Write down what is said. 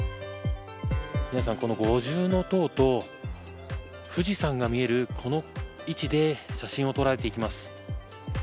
皆さんこの五重塔と富士山が見えるこの位置で写真を撮られていきます。